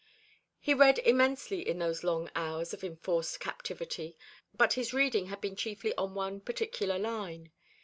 He read immensely in those long hours of enforced captivity, but his reading had been chiefly on one particular line.